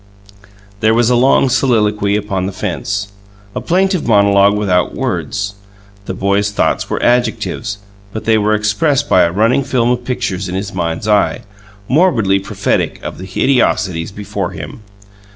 There was a long soliloquy upon the fence, a plaintive monologue without words: the boy's thoughts were adjectives, but they were expressed by a running film of pictures in his mind's eye, morbidly prophetic of the hideosities before him.